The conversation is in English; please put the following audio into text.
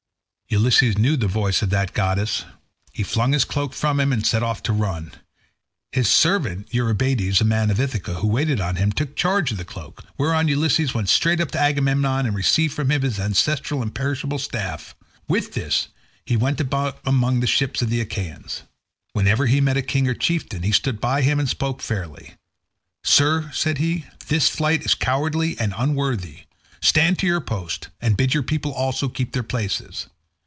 Ulysses knew the voice as that of the goddess: he flung his cloak from him and set off to run. His servant Eurybates, a man of Ithaca, who waited on him, took charge of the cloak, whereon Ulysses went straight up to Agamemnon and received from him his ancestral, imperishable staff. With this he went about among the ships of the Achaeans. Whenever he met a king or chieftain, he stood by him and spoke him fairly. "Sir," said he, "this flight is cowardly and unworthy. Stand to your post, and bid your people also keep their places.